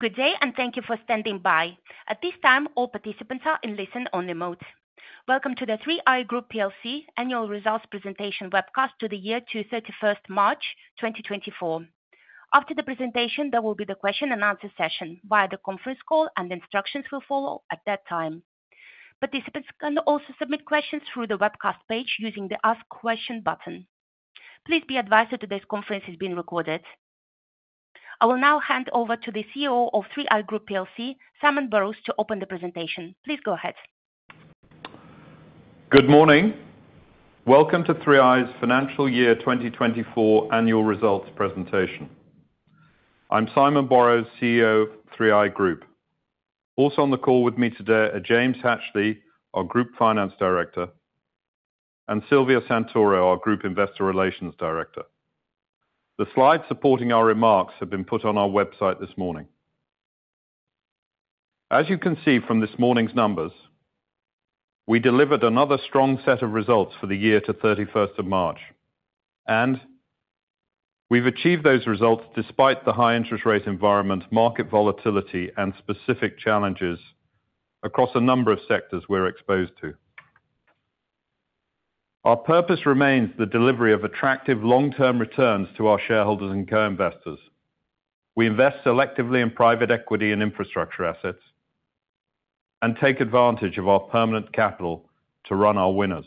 Good day, and thank you for standing by. At this time, all participants are in listen-only mode. Welcome to the 3i Group PLC Annual Results Presentation webcast for the year ended 31st March 2024. After the presentation, there will be the question-and-answer session via the conference call, and instructions will follow at that time. Participants can also submit questions through the webcast page using the Ask Question button. Please be advised that today's conference is being recorded. I will now hand over to the CEO of 3i Group PLC, Simon Borrows, to open the presentation. Please go ahead. Good morning. Welcome to 3i's Financial Year 2024 Annual Results Presentation. I'm Simon Borrows, CEO of 3i Group. Also on the call with me today are James Hatchley, our Group Finance Director, and Silvia Santoro, our Group Investor Relations Director. The slides supporting our remarks have been put on our website this morning. As you can see from this morning's numbers, we delivered another strong set of results for the year to 31st of March, and we've achieved those results despite the high interest rate environment, market volatility, and specific challenges across a number of sectors we're exposed to. Our purpose remains the delivery of attractive long-term returns to our shareholders and co-investors. We invest selectively in private equity and infrastructure assets and take advantage of our permanent capital to run our winners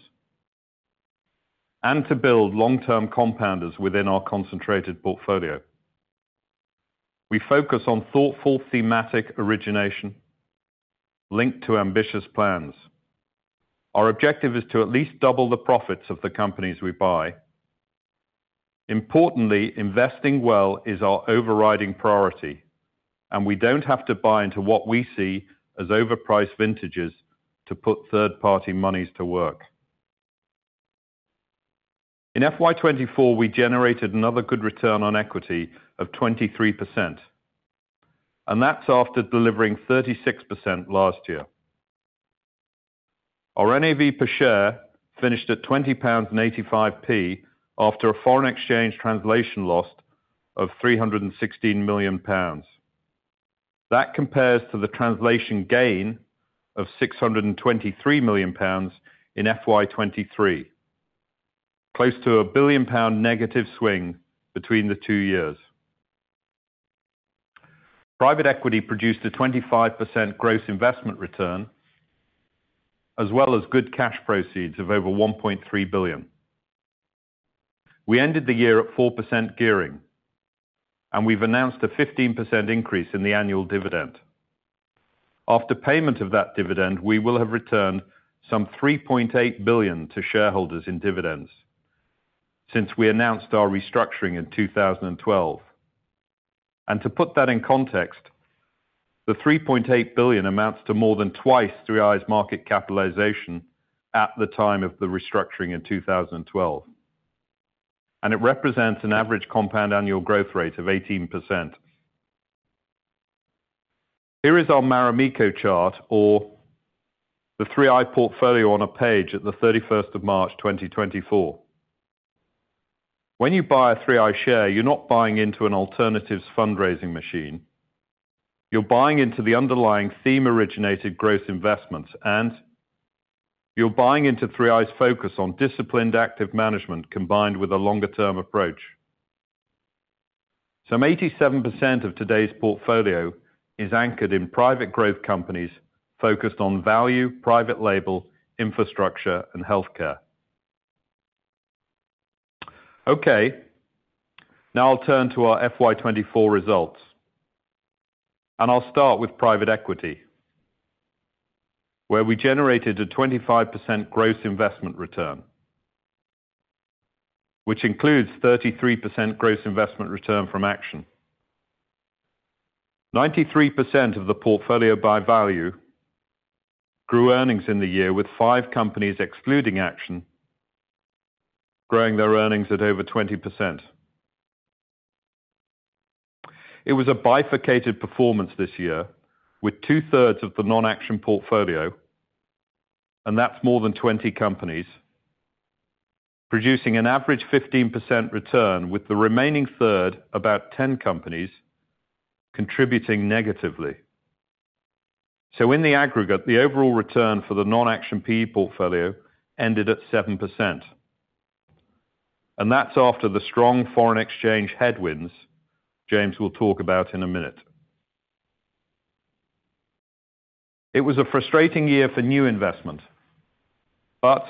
and to build long-term compounders within our concentrated portfolio. We focus on thoughtful thematic origination linked to ambitious plans. Our objective is to at least double the profits of the companies we buy. Importantly, investing well is our overriding priority, and we don't have to buy into what we see as overpriced vintages to put third-party monies to work. In FY 2024, we generated another good return on equity of 23%, and that's after delivering 36% last year. Our NAV per share finished at 20.85 pounds after a foreign exchange translation loss of 316 million pounds. That compares to the translation gain of 623 million pounds in FY 2023, close to a 1 billion pound negative swing between the two years. Private equity produced a 25% gross investment return as well as good cash proceeds of over 1.3 billion. We ended the year at 4% gearing, and we've announced a 15% increase in the annual dividend. After payment of that dividend, we will have returned some 3.8 billion to shareholders in dividends since we announced our restructuring in 2012. To put that in context, the 3.8 billion amounts to more than twice 3i's market capitalisation at the time of the restructuring in 2012, and it represents an average compound annual growth rate of 18%. Here is our Marimekko chart, or the 3i portfolio, on a page at the 31st of March 2024. When you buy a 3i share, you're not buying into an alternatives fundraising machine. You're buying into the underlying theme-originated growth investments, and you're buying into 3i's focus on disciplined active management combined with a longer-term approach. Some 87% of today's portfolio is anchored in private growth companies focused on value, private label, infrastructure, and healthcare. Okay, now I'll turn to our FY 2024 results, and I'll start with private equity, where we generated a 25% gross investment return, which includes 33% gross investment return from Action. 93% of the portfolio by value grew earnings in the year with five companies excluding Action growing their earnings at over 20%. It was a bifurcated performance this year with two-thirds of the non-Action portfolio, and that's more than 20 companies, producing an average 15% return with the remaining third, about 10 companies, contributing negatively. So in the aggregate, the overall return for the non-Action PE portfolio ended at 7%, and that's after the strong foreign exchange headwinds James will talk about in a minute. It was a frustrating year for new investment, but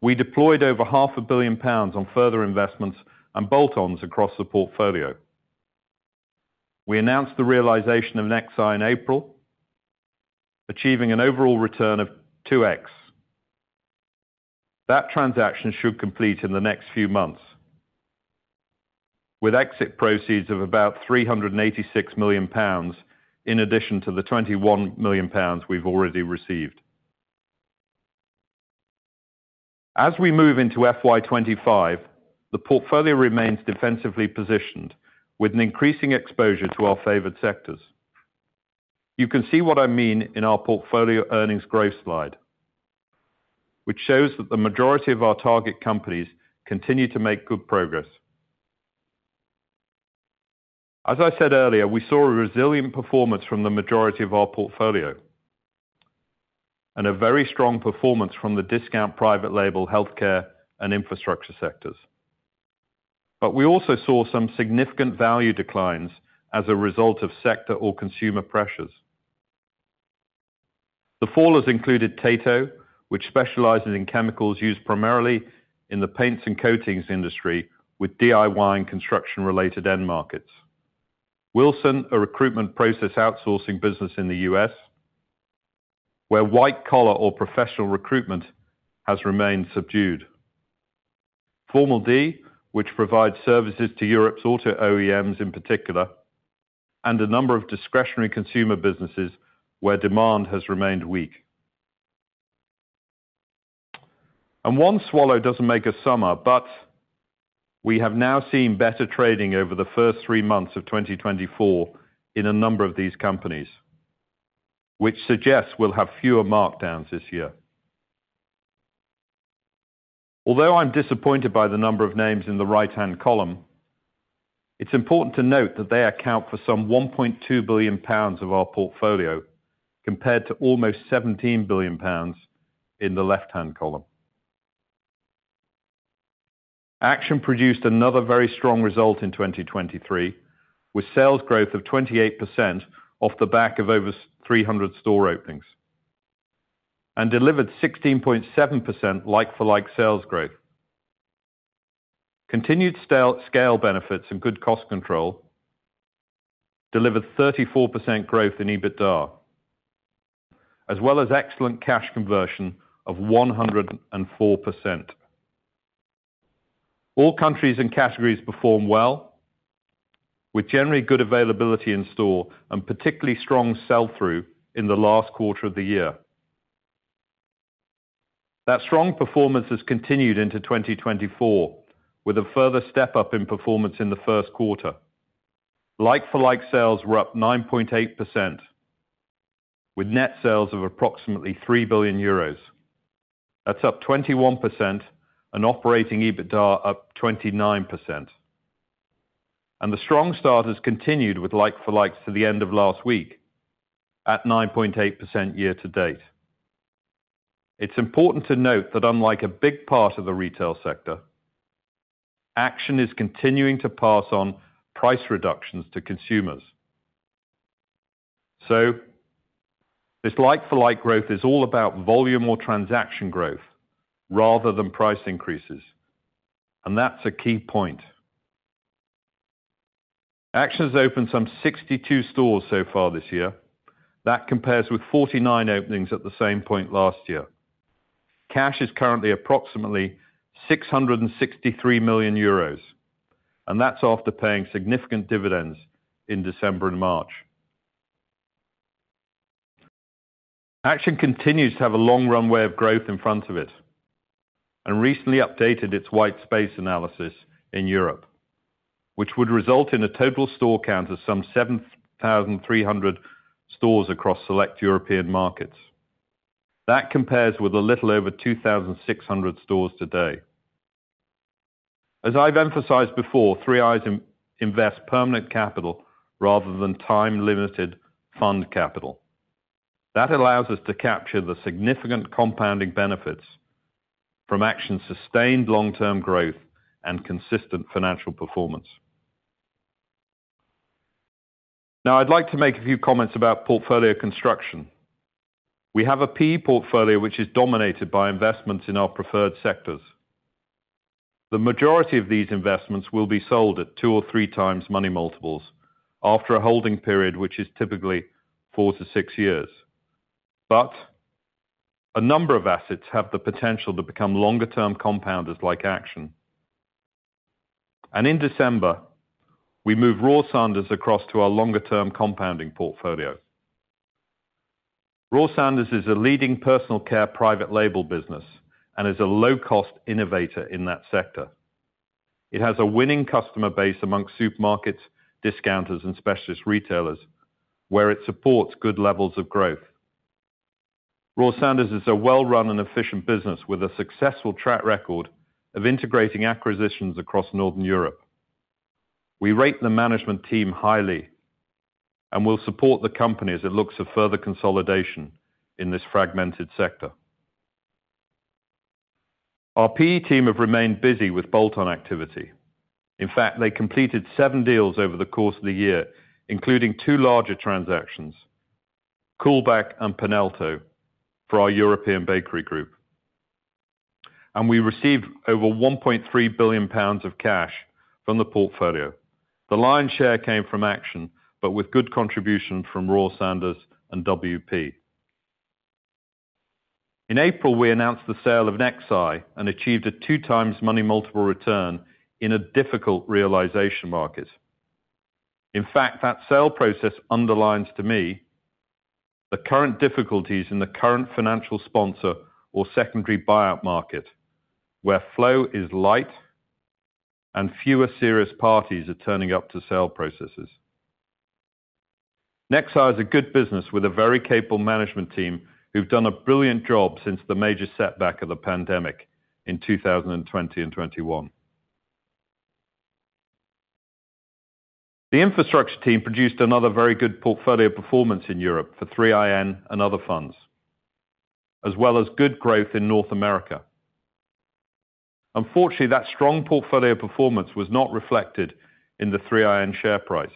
we deployed over 0.5 billion pounds on further investments and bolt-ons across the portfolio. We announced the realisation of nexeye in April, achieving an overall return of 2x. That transaction should complete in the next few months, with exit proceeds of about 386 million pounds in addition to the 21 million pounds we've already received. As we move into FY 2025, the portfolio remains defensively positioned with an increasing exposure to our favoured sectors. You can see what I mean in our portfolio earnings growth slide, which shows that the majority of our target companies continue to make good progress. As I said earlier, we saw a resilient performance from the majority of our portfolio and a very strong performance from the discount private label, healthcare, and infrastructure sectors. But we also saw some significant value declines as a result of sector or consumer pressures. The fallers included Tato, which specializes in chemicals used primarily in the paints and coatings industry with DIY and construction-related end markets, Wilson, a recruitment process outsourcing business in the U.S. where white-collar or professional recruitment has remained subdued, Formel D, which provides services to Europe's auto OEMs in particular, and a number of discretionary consumer businesses where demand has remained weak. And one swallow doesn't make a summer, but we have now seen better trading over the first three months of 2024 in a number of these companies, which suggests we'll have fewer markdowns this year. Although I'm disappointed by the number of names in the right-hand column, it's important to note that they account for some 1.2 billion pounds of our portfolio compared to almost 17 billion pounds in the left-hand column. Action produced another very strong result in 2023 with sales growth of 28% off the back of over 300 store openings and delivered 16.7% like-for-like sales growth. Continued scale benefits and good cost control delivered 34% growth in EBITDA, as well as excellent cash conversion of 104%. All countries and categories perform well, with generally good availability in store and particularly strong sell-through in the last quarter of the year. That strong performance has continued into 2024 with a further step-up in performance in the first quarter. Like-for-like sales were up 9.8%, with net sales of approximately 3 billion euros. That's up 21% and operating EBITDA up 29%. The strong starters continued with like-for-likes to the end of last week at 9.8% year-to-date. It's important to note that unlike a big part of the retail sector, Action is continuing to pass on price reductions to consumers. So this like-for-like growth is all about volume or transaction growth rather than price increases, and that's a key point. Action has opened some 62 stores so far this year. That compares with 49 openings at the same point last year. Cash is currently approximately 663 million euros, and that's after paying significant dividends in December and March. Action continues to have a long runway of growth in front of it and recently updated its white space analysis in Europe, which would result in a total store count of some 7,300 stores across select European markets. That compares with a little over 2,600 stores today. As I've emphasized before, 3i invests permanent capital rather than time-limited fund capital. That allows us to capture the significant compounding benefits from Action's sustained long-term growth and consistent financial performance. Now, I'd like to make a few comments about portfolio construction. We have a PE portfolio which is dominated by investments in our preferred sectors. The majority of these investments will be sold at two or three times money multiples after a holding period which is typically four-six years. But a number of assets have the potential to become longer-term compounders like Action. And in December, we move Royal Sanders across to our longer-term compounding portfolio. Royal Sanders is a leading personal care private label business and is a low-cost innovator in that sector. It has a winning customer base amongst supermarkets, discounters, and specialist retailers, where it supports good levels of growth. Royal Sanders is a well-run and efficient business with a successful track record of integrating acquisitions across Northern Europe. We rate the management team highly, and we'll support the company as it looks for further consolidation in this fragmented sector. Our PE team have remained busy with bolt-on activity. In fact, they completed seven deals over the course of the year, including two larger transactions: Coolback and Panelto for our European bakery group. We received over 1.3 billion pounds of cash from the portfolio. The lion's share came from Action, but with good contribution from Royal Sanders and WP. In April, we announced the sale of Nexeye and achieved a two-times money multiple return in a difficult realisation market. In fact, that sale process underlines to me the current difficulties in the current financial sponsor or secondary buyout market, where flow is light and fewer serious parties are turning up to sell processes. Nexeye is a good business with a very capable management team who've done a brilliant job since the major setback of the pandemic in 2020 and 2021. The infrastructure team produced another very good portfolio performance in Europe for 3iN and other funds, as well as good growth in North America. Unfortunately, that strong portfolio performance was not reflected in the 3iN share price,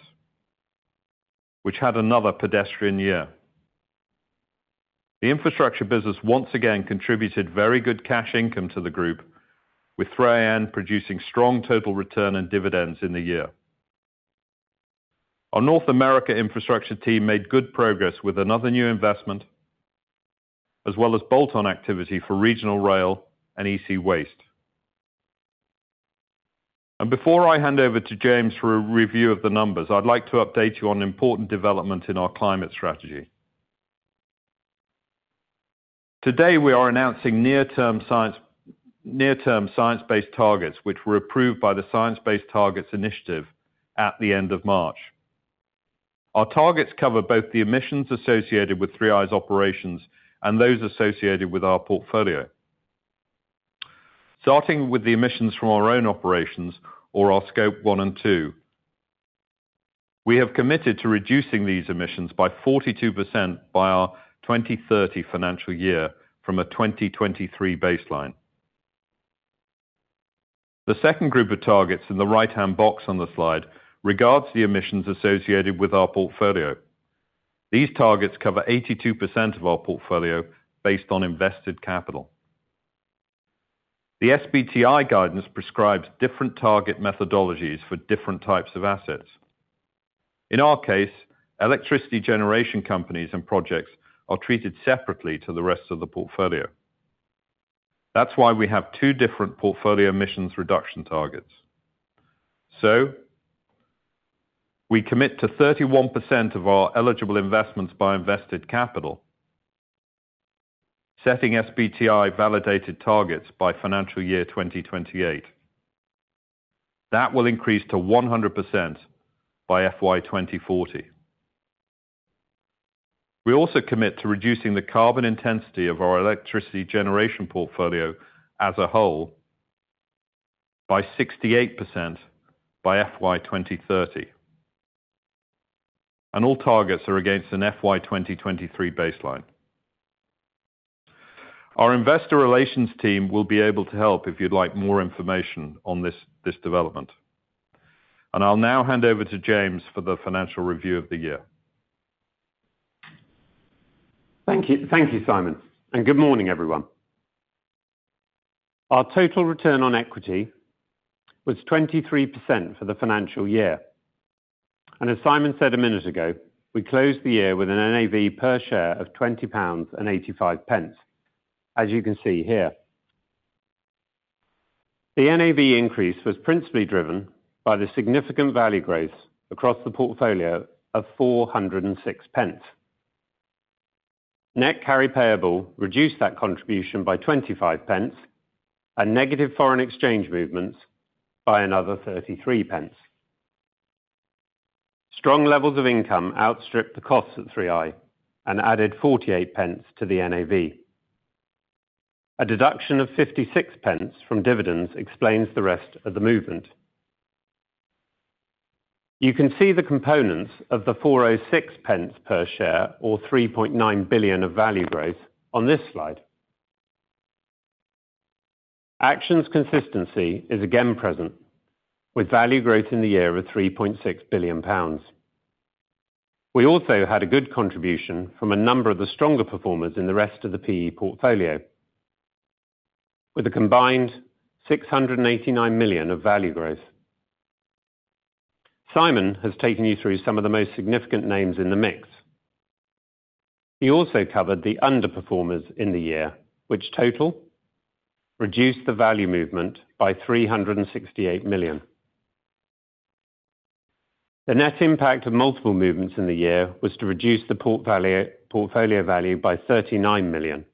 which had another pedestrian year. The infrastructure business once again contributed very good cash income to the group, with 3iN producing strong total return and dividends in the year. Our North America infrastructure team made good progress with another new investment, as well as bolt-on activity for Regional Rail and EC Waste. And before I hand over to James for a review of the numbers, I'd like to update you on important development in our climate strategy. Today, we are announcing near-term science-based targets, which were approved by the Science Based Targets Initiative at the end of March. Our targets cover both the emissions associated with 3i's operations and those associated with our portfolio. Starting with the emissions from our own operations, or our Scope One and Two, we have committed to reducing these emissions by 42% by our 2030 financial year from a 2023 baseline. The second group of targets in the right-hand box on the slide regards the emissions associated with our portfolio. These targets cover 82% of our portfolio based on invested capital. The SBTi guidance prescribes different target methodologies for different types of assets. In our case, electricity generation companies and projects are treated separately to the rest of the portfolio. That's why we have two different portfolio emissions reduction targets. So we commit to 31% of our eligible investments by invested capital, setting SBTi validated targets by financial year 2028. That will increase to 100% by FY 2040. We also commit to reducing the carbon intensity of our electricity generation portfolio as a whole by 68% by FY 2030. All targets are against an FY 2023 baseline. Our investor relations team will be able to help if you'd like more information on this development. I'll now hand over to James for the financial review of the year. Thank you, Simon. Good morning, everyone. Our total return on equity was 23% for the financial year. As Simon said a minute ago, we closed the year with an NAV per share of 20.85 pounds, as you can see here. The NAV increase was principally driven by the significant value growth across the portfolio of 0.406. Net carry payable reduced that contribution by 0.25 and negative foreign exchange movements by another 0.33. Strong levels of income outstripped the costs at 3i and added 0.48 to the NAV. A deduction of 0.56 from dividends explains the rest of the movement. You can see the components of the 0.406 per share, or 3.9 billion, of value growth on this slide. Action's consistency is again present, with value growth in the year of 3.6 billion pounds. We also had a good contribution from a number of the stronger performers in the rest of the PE portfolio, with a combined 689 million of value growth. Simon has taken you through some of the most significant names in the mix. He also covered the underperformers in the year, which total reduced the value movement by 368 million. The net impact of multiple movements in the year was to reduce the portfolio value by 39 million.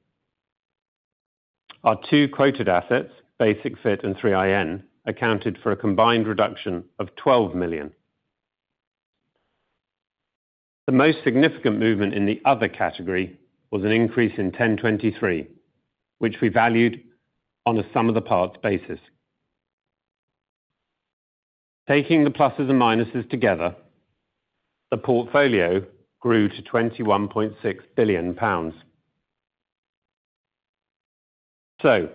Our two quoted assets, Basic-Fit and 3iN, accounted for a combined reduction of 12 million. The most significant movement in the other category was an increase in ten23 health, which we valued on a sum-of-the-parts basis. Taking the pluses and minuses together, the portfolio grew to 21.6 billion pounds. So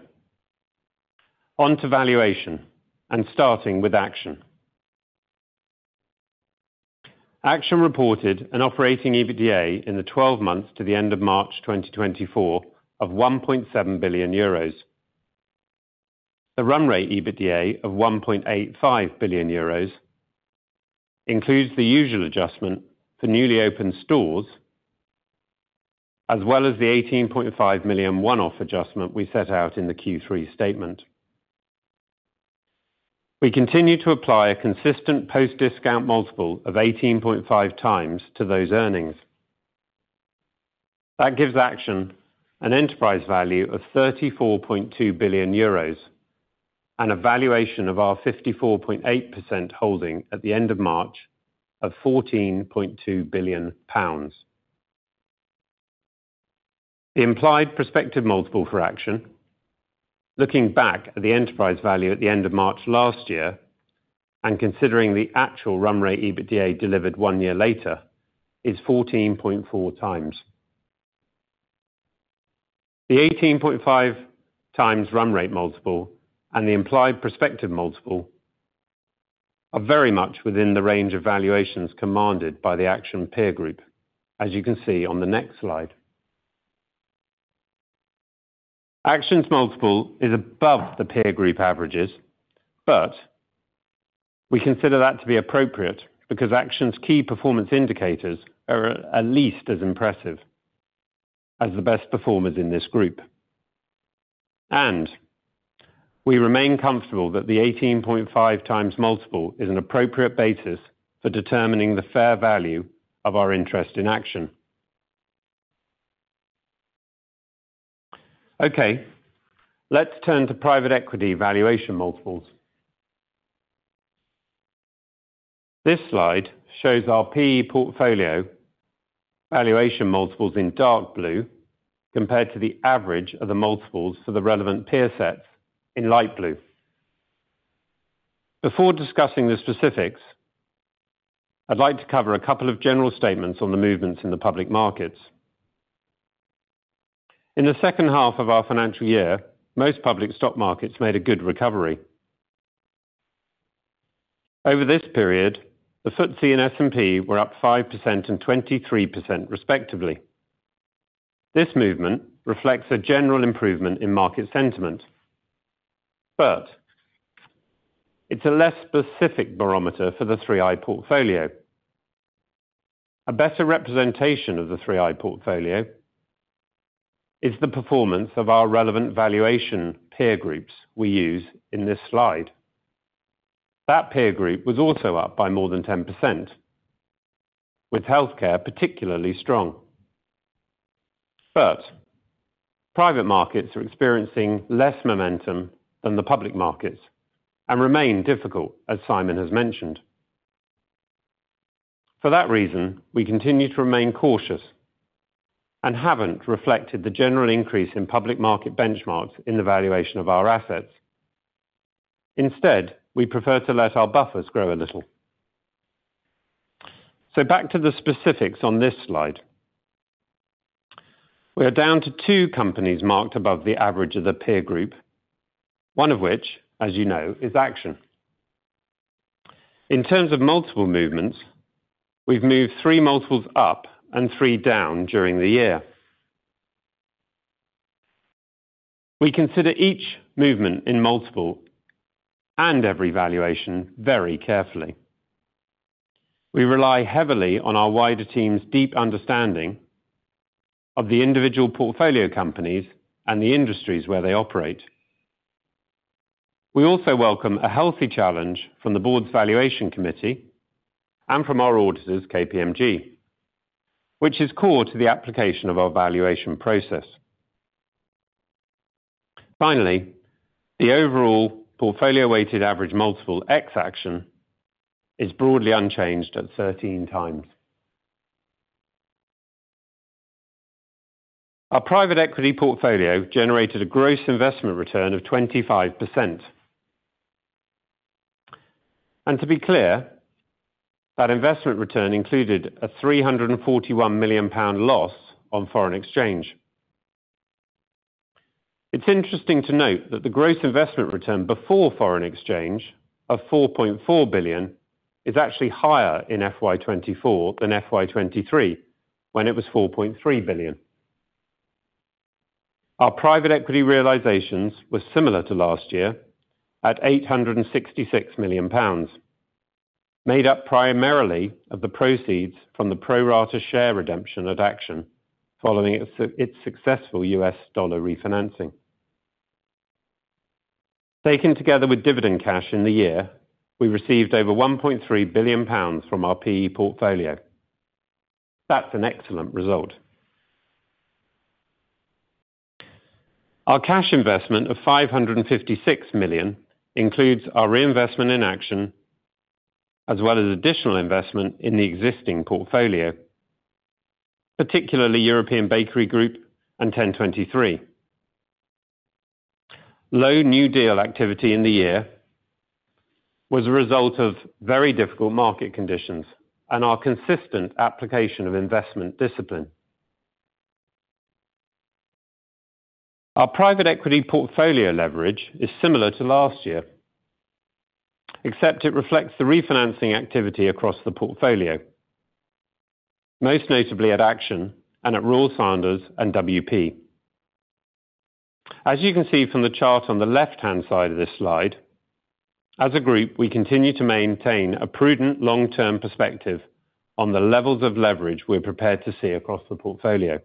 on to valuation and starting with Action. Action reported an Operating EBITDA in the 12 months to the end of March 2024 of 1.7 billion euros. The run-rate EBITDA of 1.85 billion euros includes the usual adjustment for newly opened stores, as well as the 18.5 million one-off adjustment we set out in the Q3 statement. We continue to apply a consistent post-discount multiple of 18.5x to those earnings. That gives Action an enterprise value of 34.2 billion euros and a valuation of our 54.8% holding at the end of March of GBP 14.2 billion. The implied prospective multiple for Action, looking back at the enterprise value at the end of March last year and considering the actual run-rate EBITDA delivered one year later, is 14.4x. The 18.5x run-rate multiple and the implied prospective multiple are very much within the range of valuations commanded by the Action peer group, as you can see on the next slide. Action's multiple is above the peer group averages, but we consider that to be appropriate because Action's key performance indicators are at least as impressive as the best performers in this group. We remain comfortable that the 18.5x multiple is an appropriate basis for determining the fair value of our interest in Action. Okay, let's turn to Private Equity valuation multiples. This slide shows our PE portfolio valuation multiples in dark blue compared to the average of the multiples for the relevant peer sets in light blue. Before discussing the specifics, I'd like to cover a couple of general statements on the movements in the public markets. In the second half of our financial year, most public stock markets made a good recovery. Over this period, the FTSE and S&P were up 5% and 23%, respectively. This movement reflects a general improvement in market sentiment. But it's a less specific barometer for the 3i portfolio. A better representation of the 3i portfolio is the performance of our relevant valuation peer groups we use in this slide. That peer group was also up by more than 10%, with healthcare particularly strong. But private markets are experiencing less momentum than the public markets and remain difficult, as Simon has mentioned. For that reason, we continue to remain cautious and haven't reflected the general increase in public market benchmarks in the valuation of our assets. Instead, we prefer to let our buffers grow a little. So back to the specifics on this slide. We are down to two companies marked above the average of the peer group, one of which, as you know, is Action. In terms of multiple movements, we've moved three multiples up and three down during the year. We consider each movement in multiple and every valuation very carefully. We rely heavily on our wider team's deep understanding of the individual portfolio companies and the industries where they operate. We also welcome a healthy challenge from the board's valuation committee and from our auditors, KPMG, which is core to the application of our valuation process. Finally, the overall portfolio weighted average multiple x Action is broadly unchanged at 13x. Our private equity portfolio generated a gross investment return of 25%. And to be clear, that investment return included a 341 million pound loss on foreign exchange. It's interesting to note that the gross investment return before foreign exchange of 4.4 billion is actually higher in FY 2024 than FY 2023, when it was 4.3 billion. Our private equity realizations were similar to last year at 866 million pounds, made up primarily of the proceeds from the pro rata share redemption at Action following its successful U.S. dollar refinancing. Taken together with dividend cash in the year, we received over 1.3 billion pounds from our PE portfolio. That's an excellent result. Our cash investment of 556 million includes our reinvestment in Action, as well as additional investment in the existing portfolio, particularly European Bakery Group and ten23. Low new deal activity in the year was a result of very difficult market conditions and our consistent application of investment discipline. Our private equity portfolio leverage is similar to last year, except it reflects the refinancing activity across the portfolio, most notably at Action and at Royal Sanders and WP. As you can see from the chart on the left-hand side of this slide, as a group, we continue to maintain a prudent long-term perspective on the levels of leverage we're prepared to see across the portfolio.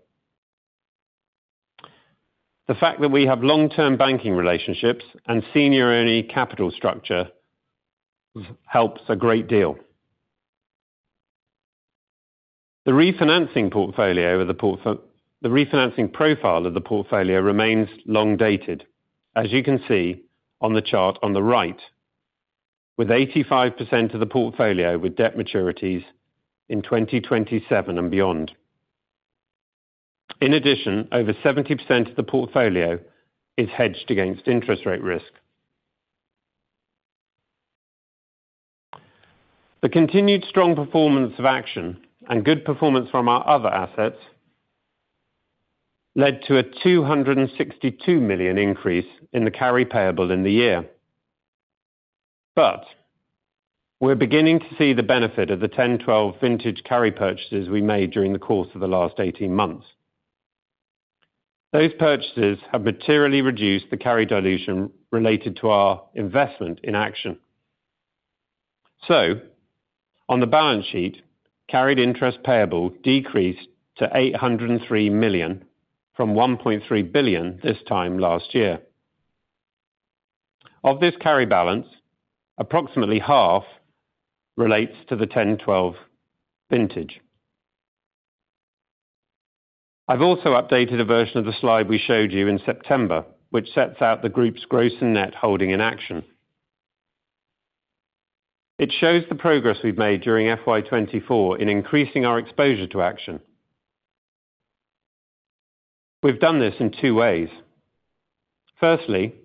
The fact that we have long-term banking relationships and senior-owned capital structure helps a great deal. The refinancing portfolio or the refinancing profile of the portfolio remains long-dated, as you can see on the chart on the right, with 85% of the portfolio with debt maturities in 2027 and beyond. In addition, over 70% of the portfolio is hedged against interest rate risk. The continued strong performance of Action and good performance from our other assets led to a 262 million increase in the carry payable in the year. But we're beginning to see the benefit of the 10-12 vintage carry purchases we made during the course of the last 18 months. Those purchases have materially reduced the carry dilution related to our investment in Action. So on the balance sheet, carried interest payable decreased to 803 million from 1.3 billion this time last year. Of this carry balance, approximately half relates to the 10-12 vintage. I've also updated a version of the slide we showed you in September, which sets out the group's gross and net holding in Action. It shows the progress we've made during FY 2024 in increasing our exposure to Action. We've done this in two ways. Firstly,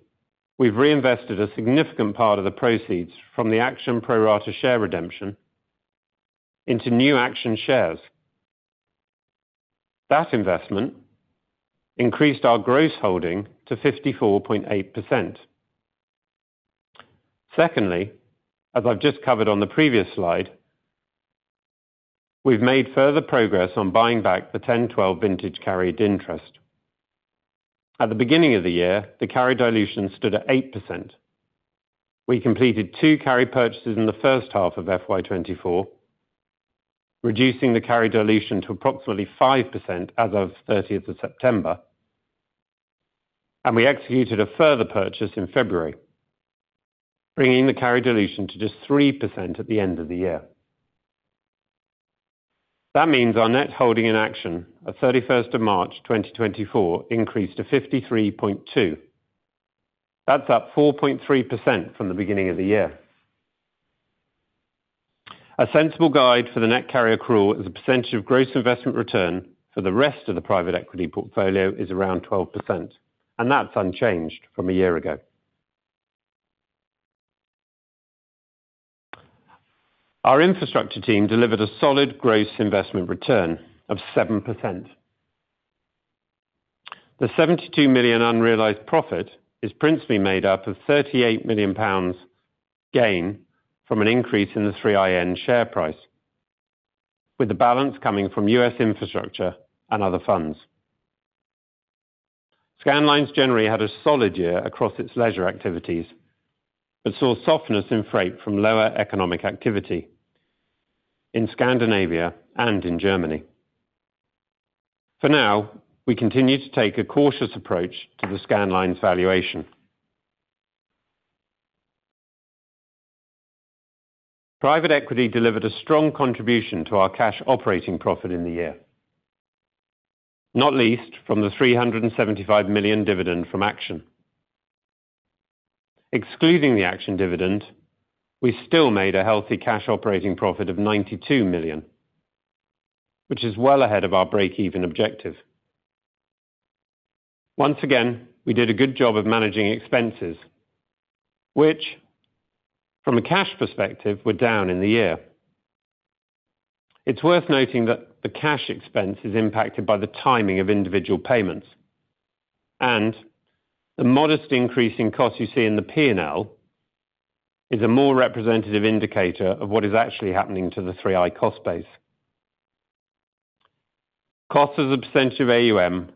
we've reinvested a significant part of the proceeds from the Action pro rata share redemption into new Action shares. That investment increased our gross holding to 54.8%. Secondly, as I've just covered on the previous slide, we've made further progress on buying back the 10-12 vintage carried interest. At the beginning of the year, the carry dilution stood at 8%. We completed two carry purchases in the first half of FY 2024, reducing the carry dilution to approximately 5% as of 30th September. And we executed a further purchase in February, bringing the carry dilution to just 3% at the end of the year. That means our net holding in Action on 31st of March 2024 increased to 53.2%. That's up 4.3% from the beginning of the year. A sensible guide for the net carry accrual is a percentage of gross investment return for the rest of the private equity portfolio is around 12%. That's unchanged from a year ago. Our infrastructure team delivered a solid gross investment return of 7%. The 72 million unrealized profit is principally made up of 38 million pounds gain from an increase in the 3iN share price, with the balance coming from U.S. infrastructure and other funds. Scandlines generally had a solid year across its leisure activities but saw softness in freight from lower economic activity in Scandinavia and in Germany. For now, we continue to take a cautious approach to the Scandlines valuation. Private equity delivered a strong contribution to our cash operating profit in the year, not least from the 375 million dividend from Action. Excluding the Action dividend, we still made a healthy cash operating profit of 92 million, which is well ahead of our break-even objective. Once again, we did a good job of managing expenses, which from a cash perspective, were down in the year. It's worth noting that the cash expense is impacted by the timing of individual payments. The modest increase in cost you see in the P&L is a more representative indicator of what is actually happening to the 3i cost base. Costs as a percentage of AUM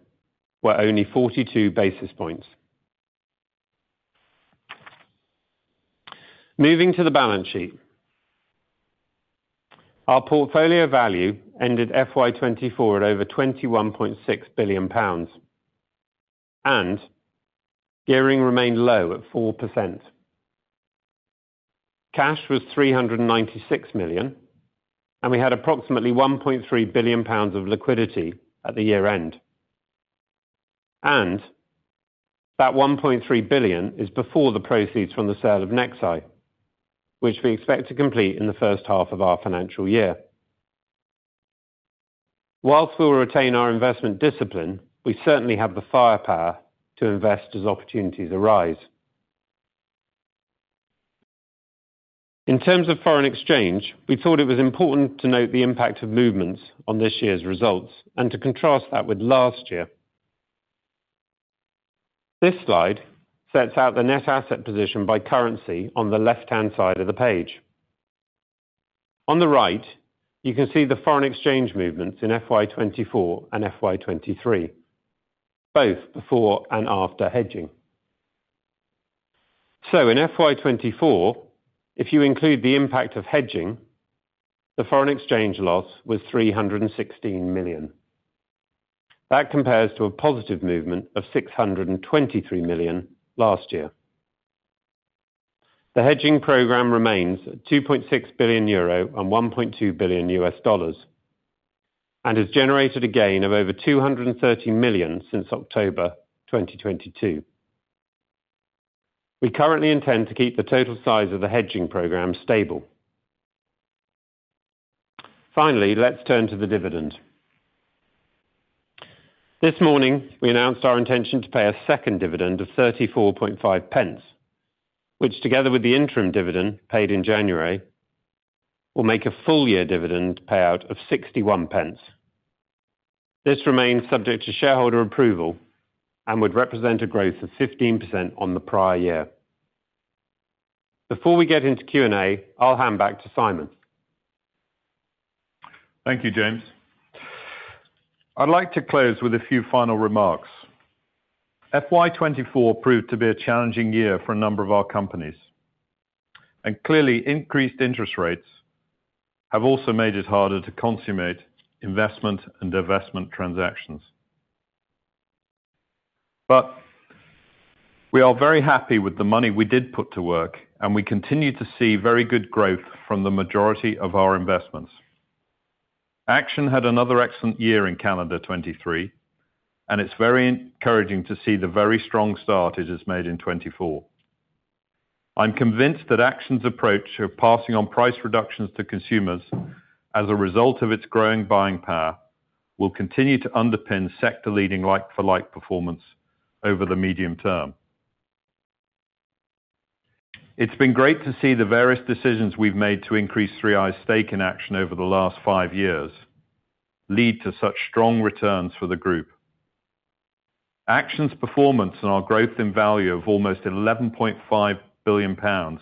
were only 42 basis points. Moving to the balance sheet. Our portfolio value ended FY 2024 at over 21.6 billion pounds. Gearing remained low at 4%. Cash was 396 million. We had approximately 1.3 billion pounds of liquidity at the year end. That 1.3 billion is before the proceeds from the sale of nexeye, which we expect to complete in the first half of our financial year. While we will retain our investment discipline, we certainly have the firepower to invest as opportunities arise. In terms of foreign exchange, we thought it was important to note the impact of movements on this year's results and to contrast that with last year. This slide sets out the net asset position by currency on the left-hand side of the page. On the right, you can see the foreign exchange movements in FY 2024 and FY 2023, both before and after hedging. In FY 2024, if you include the impact of hedging, the foreign exchange loss was 316 million. That compares to a positive movement of 623 million last year. The hedging program remains at 2.6 billion euro and $1.2 billion and has generated a gain of over 230 million since October 2022. We currently intend to keep the total size of the hedging program stable. Finally, let's turn to the dividend. This morning, we announced our intention to pay a second dividend of 0.34, which together with the interim dividend paid in January, will make a full-year dividend payout of 0.61. This remains subject to shareholder approval and would represent a growth of 15% on the prior year. Before we get into Q&A, I'll hand back to Simon. Thank you, James. I'd like to close with a few final remarks. FY 2024 proved to be a challenging year for a number of our companies. Clearly, increased interest rates have also made it harder to consummate investment and divestment transactions. But we are very happy with the money we did put to work, and we continue to see very good growth from the majority of our investments. Action had another excellent year in Canada 2023, and it's very encouraging to see the very strong start it has made in 2024. I'm convinced that Action's approach of passing on price reductions to consumers as a result of its growing buying power will continue to underpin sector-leading like-for-like performance over the medium term. It's been great to see the various decisions we've made to increase 3i's stake in Action over the last five years lead to such strong returns for the group. Action's performance and our growth in value of almost 11.5 billion pounds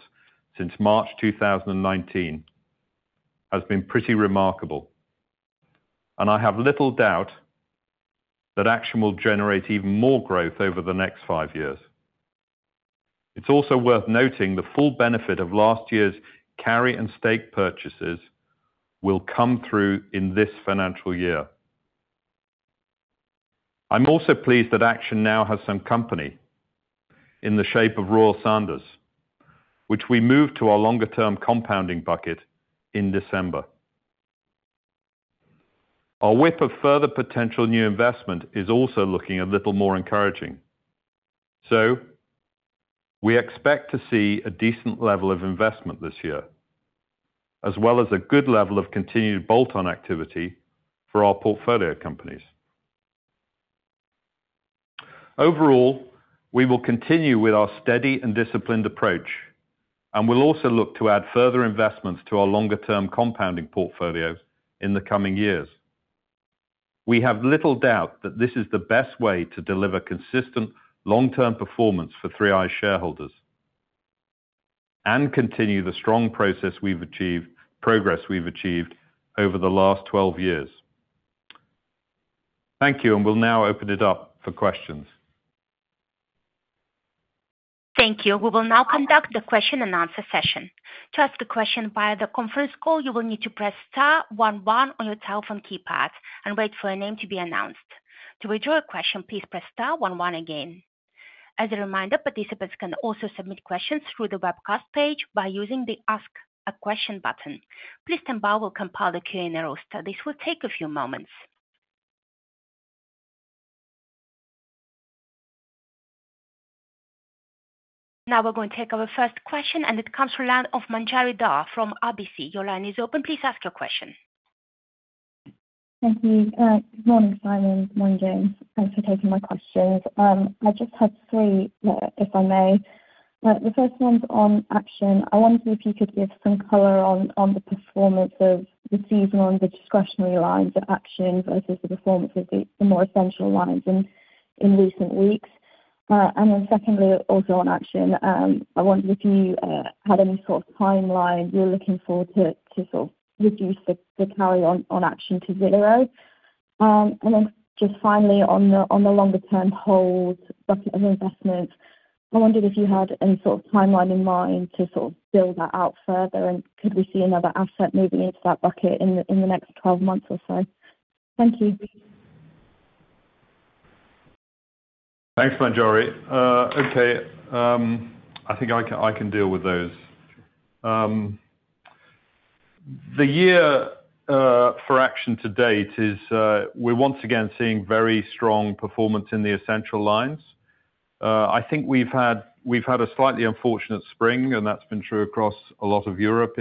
since March 2019 has been pretty remarkable. I have little doubt that Action will generate even more growth over the next five years. It's also worth noting the full benefit of last year's carry and stake purchases will come through in this financial year. I'm also pleased that Action now has some company in the shape of Royal Sanders, which we moved to our longer-term compounding bucket in December. Our pipeline of further potential new investment is also looking a little more encouraging. So we expect to see a decent level of investment this year, as well as a good level of continued bolt-on activity for our portfolio companies. Overall, we will continue with our steady and disciplined approach, and we'll also look to add further investments to our longer-term compounding portfolio in the coming years. We have little doubt that this is the best way to deliver consistent long-term performance for 3i's shareholders and continue the strong progress we've achieved over the last 12 years. Thank you, and we'll now open it up for questions. Thank you. We will now conduct the question and answer session. To ask a question via the conference call, you will need to press star one one on your telephone keypad and wait for your name to be announced. To withdraw a question, please press star one one again. As a reminder, participants can also submit questions through the webcast page by using the Ask a Question button. Please stand by. We'll compile the Q&A roster. This will take a few moments. Now we're going to take our first question, and it comes from the line of Manjari Dhar from RBC. Your line is open. Please ask your question. Thank you. Good morning, Simon. Good morning, James. Thanks for taking my questions. I just have three, if I may. The first one's on Action. I wondered if you could give some color on the performance of the season on the discretionary lines, Action versus the performance of the more essential lines in recent weeks. And then secondly, also on Action, I wondered if you had any sort of timeline you're looking for to sort of reduce the carry on Action to zero. And then just finally, on the longer-term hold bucket of investments, I wondered if you had any sort of timeline in mind to sort of build that out further, and could we see another asset moving into that bucket in the next 12 months or so? Thank you. Thanks, Manjari. Okay. I think I can deal with those. The year for Action to date is, we're once again seeing very strong performance in the essential lines. I think we've had a slightly unfortunate spring, and that's been true across a lot of Europe.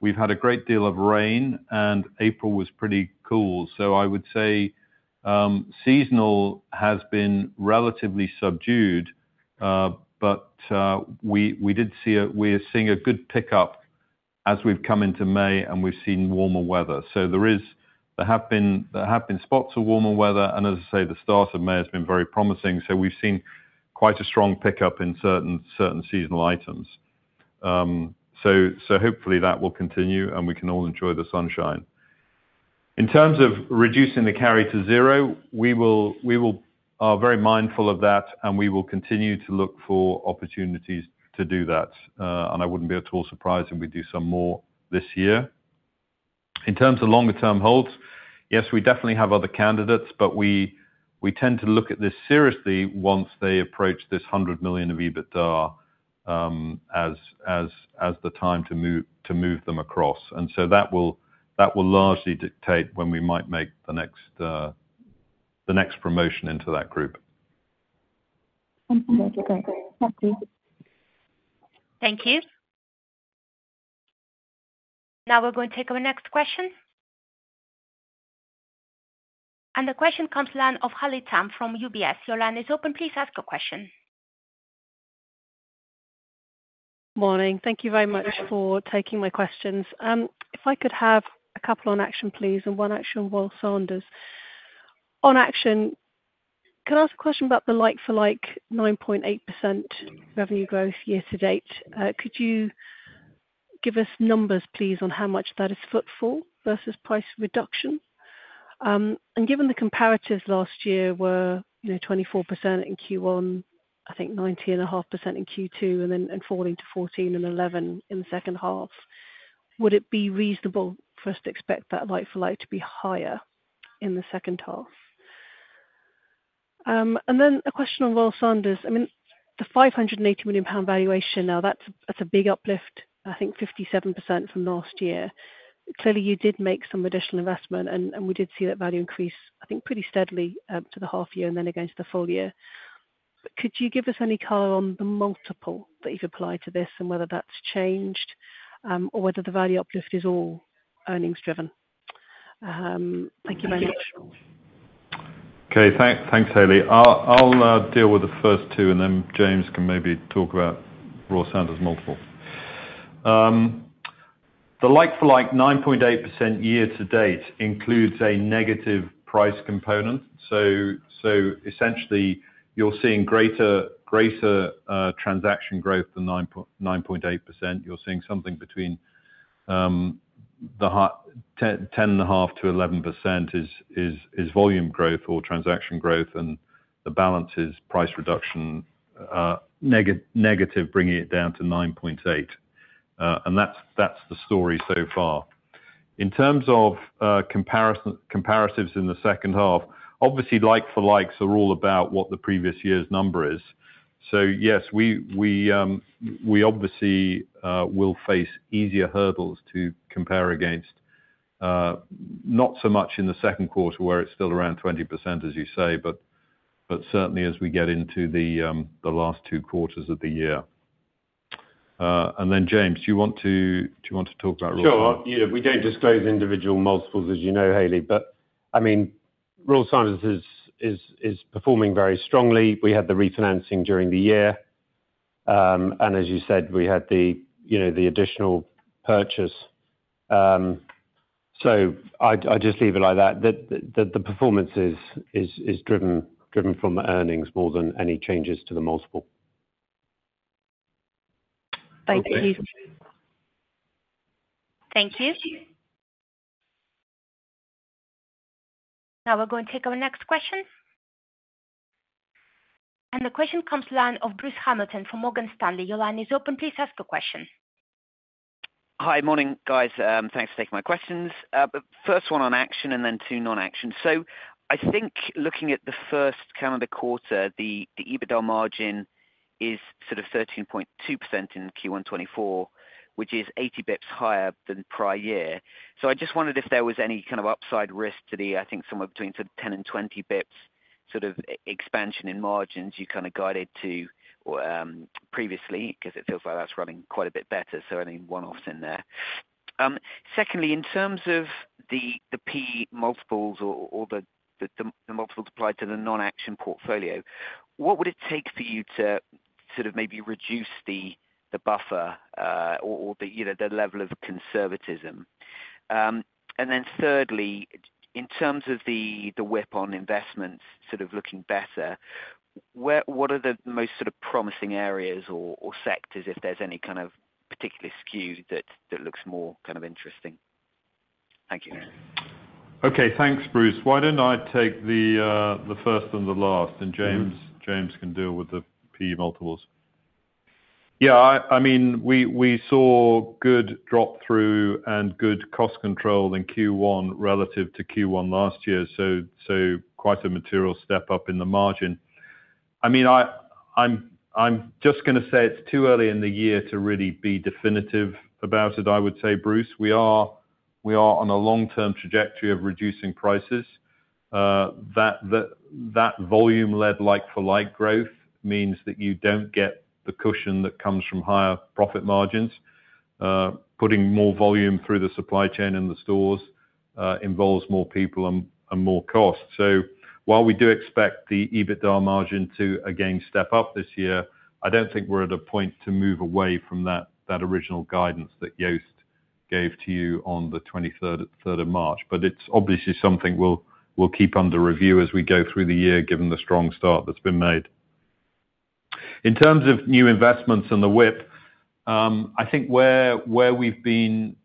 We've had a great deal of rain, and April was pretty cool. So I would say seasonal has been relatively subdued, but we're seeing a good pickup as we've come into May, and we've seen warmer weather. So there have been spots of warmer weather. And as I say, the start of May has been very promising. So we've seen quite a strong pickup in certain seasonal items. So hopefully, that will continue, and we can all enjoy the sunshine. In terms of reducing the carry to zero, we are very mindful of that, and we will continue to look for opportunities to do that. I wouldn't be at all surprised if we do some more this year. In terms of longer-term holds, yes, we definitely have other candidates, but we tend to look at this seriously once they approach this 100 million of EBITDA as the time to move them across. So that will largely dictate when we might make the next promotion into that group. Thank you. Thank you. Now we're going to take our next question. The question comes to the line of Haley Tam from UBS. Your line is open. Please ask your question. Morning. Thank you very much for taking my questions. If I could have a couple on Action, please, and one on Royal Sanders. On Action, can I ask a question about the like-for-like 9.8% revenue growth year to date? Could you give us numbers, please, on how much that is footfall versus price reduction? And given the comparatives last year were 24% in Q1, I think 90.5% in Q2, and then falling to 14% and 11% in the second half, would it be reasonable for us to expect that like-for-like to be higher in the second half? And then a question on Royal Sanders. I mean, the 580 million pound valuation now, that's a big uplift, I think 57% from last year. Clearly, you did make some additional investment, and we did see that value increase, I think, pretty steadily to the half year and then again to the full year. But could you give us any color on the multiple that you've applied to this and whether that's changed or whether the value uplift is all earnings-driven? Thank you very much. Okay. Thanks, Haley. I'll deal with the first two, and then James can maybe talk about Royal Sanders' multiple. The like-for-like 9.8% year to date includes a negative price component. So essentially, you're seeing greater transaction growth than 9.8%. You're seeing something between 10.5%-11% is volume growth or transaction growth, and the balance is price reduction negative, bringing it down to 9.8%. And that's the story so far. In terms of comparatives in the second half, obviously, like-for-likes are all about what the previous year's number is. So yes, we obviously will face easier hurdles to compare against, not so much in the second quarter where it's still around 20%, as you say, but certainly as we get into the last two quarters of the year. And then James, do you want to talk about Royal Sanders? Sure. Yeah. We don't disclose individual multiples, as you know, Haley. But I mean, Royal Sanders is performing very strongly. We had the refinancing during the year. And as you said, we had the additional purchase. So I just leave it like that. The performance is driven from earnings more than any changes to the multiple. Thank you. Thank you. Now we're going to take our next question. The question comes to the line of Bruce Hamilton from Morgan Stanley. Your line is open. Please ask your question. Hi. Morning, guys. Thanks for taking my questions. First one on Action and then two non-Action. So I think looking at the first quarter, the EBITDA margin is sort of 13.2% in Q1 2024, which is 80 bps higher than prior year. So I just wondered if there was any kind of upside risk to the, I think, somewhere between sort of 10-20 bps sort of expansion in margins you kind of guided to previously because it feels like that's running quite a bit better. So any one-offs in there. Secondly, in terms of the PE multiples or the multiples applied to the non-Action portfolio, what would it take for you to sort of maybe reduce the buffer or the level of conservatism? Thirdly, in terms of the pipeline of investments sort of looking better, what are the most sort of promising areas or sectors, if there's any kind of particularly skewed that looks more kind of interesting? Thank you. Okay. Thanks, Bruce. Why don't I take the first and the last? And James, James can deal with the P multiples. Yeah. I mean, we saw good drop-through and good cost control in Q1 relative to Q1 last year, so quite a material step up in the margin. I mean, I'm just going to say it's too early in the year to really be definitive about it, I would say, Bruce. We are on a long-term trajectory of reducing prices. That volume-led like-for-like growth means that you don't get the cushion that comes from higher profit margins. Putting more volume through the supply chain and the stores involves more people and more costs. So while we do expect the EBITDA margin to, again, step up this year, I don't think we're at a point to move away from that original guidance that Joost gave to you on the 23rd of March. But it's obviously something we'll keep under review as we go through the year, given the strong start that's been made. In terms of new investments and the pipeline, I think where we've been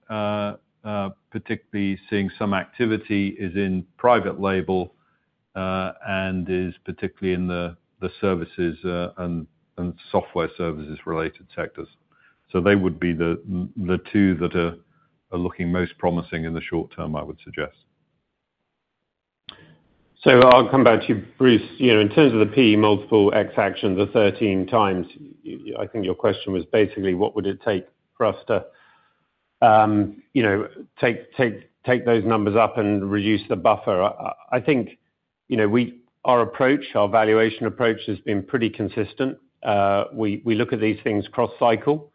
particularly seeing some activity is in private label and is particularly in the services and software services-related sectors. So they would be the two that are looking most promising in the short term, I would suggest. So I'll come back to you, Bruce. In terms of the PE multiple ex-Action, the thirteen times, I think your question was basically, what would it take for us to take those numbers up and reduce the buffer? I think our approach, our valuation approach, has been pretty consistent. We look at these things cross-cycle.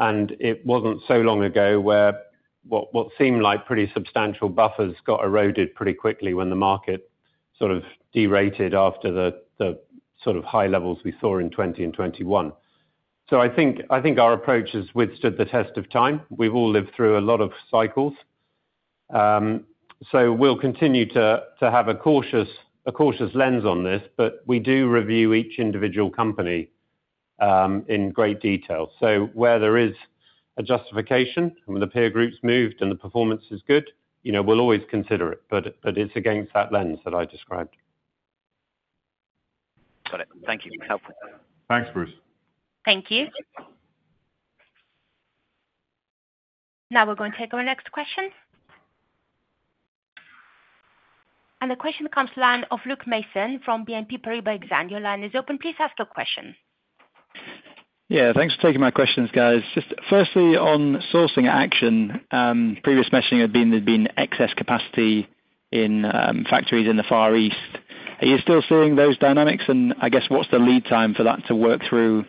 And it wasn't so long ago where what seemed like pretty substantial buffers got eroded pretty quickly when the market sort of derated after the sort of high levels we saw in 2020 and 2021. So I think our approach has withstood the test of time. We've all lived through a lot of cycles. So we'll continue to have a cautious lens on this, but we do review each individual company in great detail. So where there is a justification and the peer groups moved and the performance is good, we'll always consider it. But it's against that lens that I described. Got it. Thank you. Helpful. Thanks, Bruce. Thank you. Now we're going to take our next question. The question comes from the line of Luke Mason from BNP Paribas Exane. Your line is open. Please ask your question. Yeah. Thanks for taking my questions, guys. Firstly, on sourcing Action, previous messaging had been there'd been excess capacity in factories in the Far East. Are you still seeing those dynamics? And I guess what's the lead time for that to work through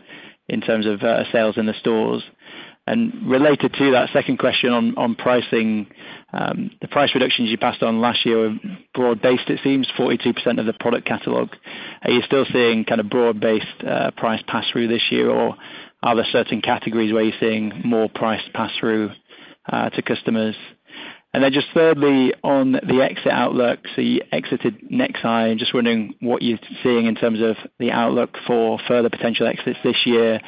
in terms of sales in the stores? And related to that second question on pricing, the price reductions you passed on last year were broad-based, it seems, 42% of the product catalogue. Are you still seeing kind of broad-based price pass-through this year, or are there certain categories where you're seeing more price pass-through to customers? And then just thirdly, on the exit outlook, so you exited nexeye. I'm just wondering what you're seeing in terms of the outlook for further potential exits this year.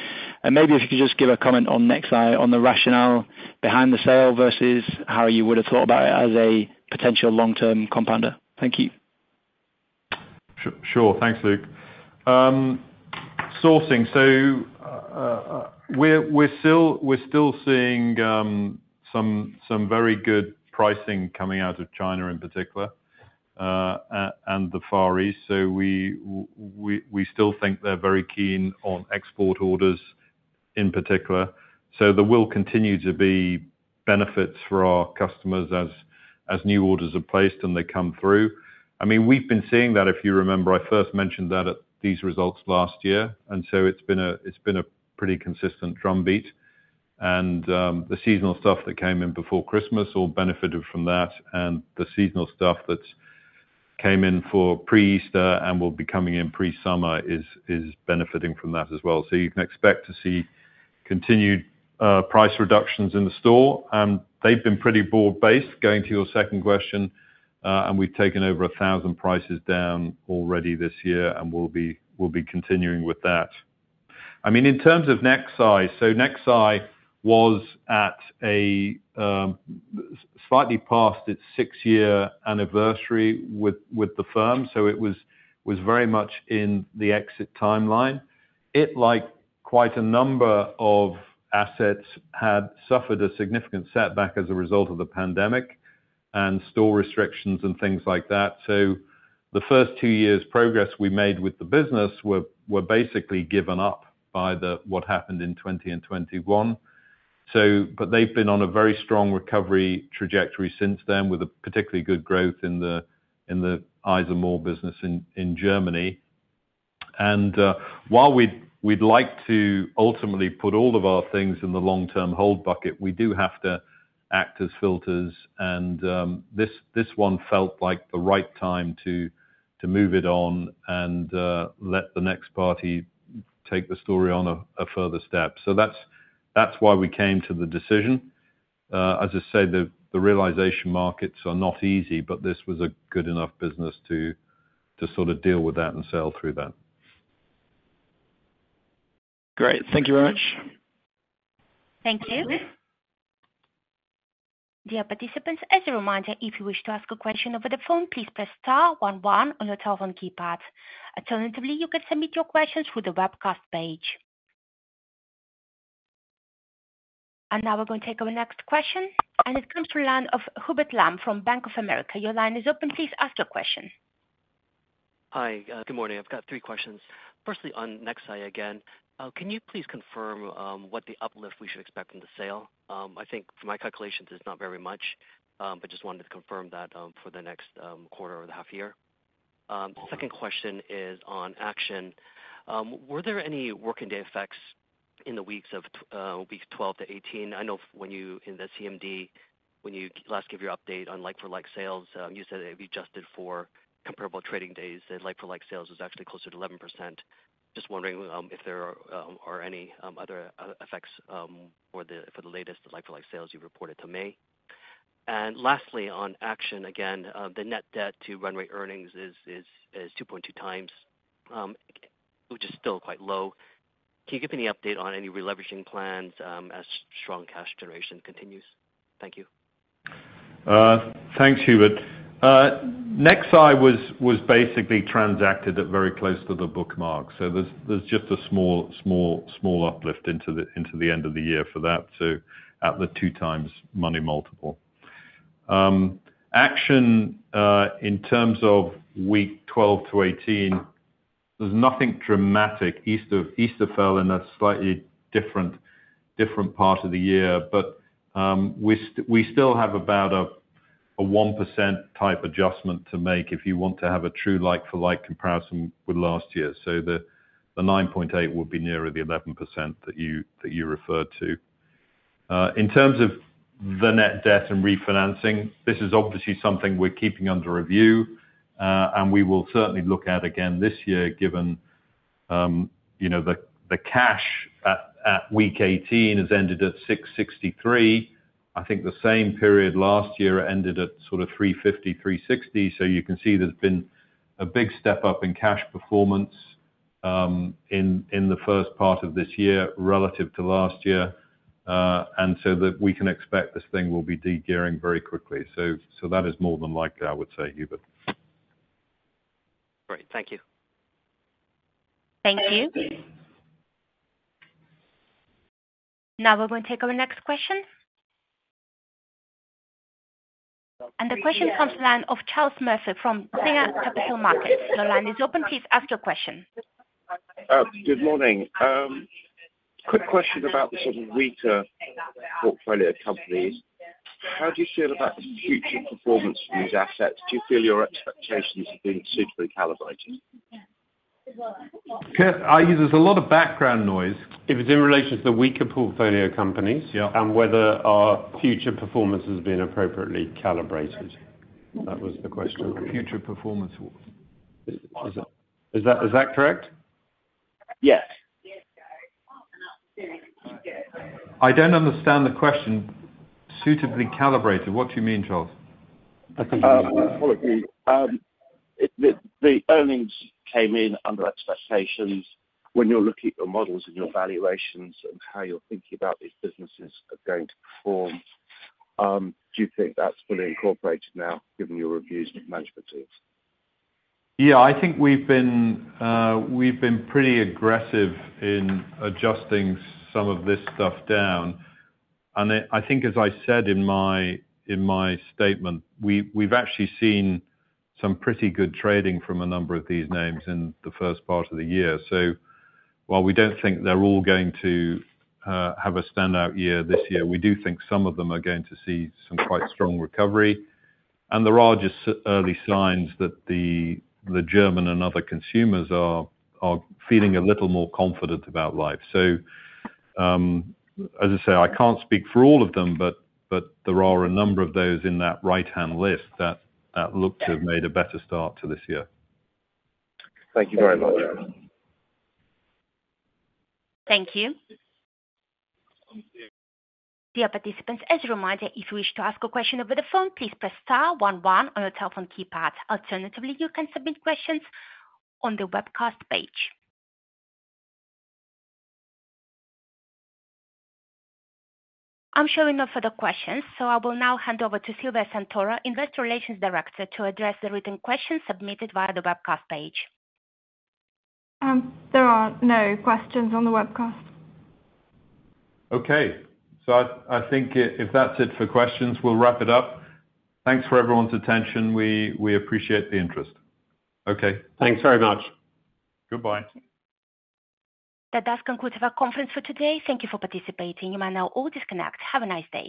Maybe if you could just give a comment on nexeye, on the rationale behind the sale versus how you would have thought about it as a potential long-term compounder. Thank you. Sure. Thanks, Luke. Sourcing. So we're still seeing some very good pricing coming out of China in particular and the Far East. So we still think they're very keen on export orders in particular. So there will continue to be benefits for our customers as new orders are placed and they come through. I mean, we've been seeing that, if you remember, I first mentioned that at these results last year. And so it's been a pretty consistent drumbeat. And the seasonal stuff that came in before Christmas all benefited from that. And the seasonal stuff that came in for pre-Easter and will be coming in pre-summer is benefiting from that as well. So you can expect to see continued price reductions in the store. And they've been pretty broad-based. Going to your second question, and we've taken over 1,000 prices down already this year, and we'll be continuing with that. I mean, in terms of nexeye, so nexeye was at a slightly past its six-year anniversary with the firm. So it was very much in the exit timeline. It, like quite a number of assets, had suffered a significant setback as a result of the pandemic and store restrictions and things like that. So the first two years' progress we made with the business were basically given up by what happened in 2020 and 2021. But they've been on a very strong recovery trajectory since then with particularly good growth in the eyes+more business in Germany. And while we'd like to ultimately put all of our things in the long-term hold bucket, we do have to act as filters. This one felt like the right time to move it on and let the next party take the story on a further step. That's why we came to the decision. As I say, the realization markets are not easy, but this was a good enough business to sort of deal with that and sell through that. Great. Thank you very much. Thank you. Dear participants, as a reminder, if you wish to ask a question over the phone, please press star one one on your telephone keypad. Alternatively, you can submit your questions through the webcast page. Now we're going to take our next question. It comes from the line of Hubert Lam from Bank of America. Your line is open. Please ask your question. Hi. Good morning. I've got three questions. Firstly, on nexeye again, can you please confirm what the uplift we should expect from the sale? I think from my calculations, it's not very much, but just wanted to confirm that for the next quarter or the half year. Second question is on Action. Were there any working-day effects in the weeks of weeks 12 to 18? I know when you in the CMD, when you last gave your update on like-for-like sales, you said that if you adjusted for comparable trading days, that like-for-like sales was actually closer to 11%. Just wondering if there are any other effects for the latest like-for-like sales you reported to May. And lastly, on Action again, the net debt to run rate earnings is 2.2x, which is still quite low. Can you give me any update on any re-leveraging plans as strong cash generation continues? Thank you. Thanks, Hubert. nexeye was basically transacted at very close to the bookmark. So there's just a small uplift into the end of the year for that, so at the two times money multiple. Action, in terms of week 12-18, there's nothing dramatic. Easter fell in a slightly different part of the year, but we still have about a 1% type adjustment to make if you want to have a true like-for-like comparison with last year. So the 9.8% would be nearer the 11% that you referred to. In terms of the net debt and refinancing, this is obviously something we're keeping under review, and we will certainly look at again this year, given the cash at week 18 has ended at 663. I think the same period last year ended at sort of 350, 360. You can see there's been a big step up in cash performance in the first part of this year relative to last year. So we can expect this thing will be degearing very quickly. That is more than likely, I would say, Hubert. Great. Thank you. Thank you. Now we're going to take our next question. The question comes to the line of Charles Murphy from Singer Capital Markets. Your line is open. Please ask your question. Good morning. Quick question about the sort of weaker portfolio companies. How do you feel about the future performance of these assets? Do you feel your expectations have been suitably calibrated? There's a lot of background noise. If it's in relation to the weaker portfolio companies and whether our future performance has been appropriately calibrated. That was the question. Future performance, is that correct? Yes. I don't understand the question. Suitably calibrated, what do you mean, Charles? I think you mean the earnings came in under expectations. When you're looking at your models and your valuations and how you're thinking about these businesses are going to perform, do you think that's fully incorporated now, given your reviews of management teams? Yeah. I think we've been pretty aggressive in adjusting some of this stuff down. And I think, as I said in my statement, we've actually seen some pretty good trading from a number of these names in the first part of the year. So while we don't think they're all going to have a standout year this year, we do think some of them are going to see some quite strong recovery. And there are just early signs that the German and other consumers are feeling a little more confident about life. So as I say, I can't speak for all of them, but there are a number of those in that right-hand list that look to have made a better start to this year. Thank you very much. Thank you. Dear participants, as a reminder, if you wish to ask a question over the phone, please press star one one on your telephone keypad. Alternatively, you can submit questions on the webcast page. I'm showing no further questions, so I will now hand over to Silvia Santoro, Investor Relations Director, to address the written questions submitted via the webcast page. There are no questions on the webcast. Okay. So I think if that's it for questions, we'll wrap it up. Thanks for everyone's attention. We appreciate the interest. Okay. Thanks very much. Goodbye. That does conclude our conference for today. Thank you for participating. You may now all disconnect. Have a nice day.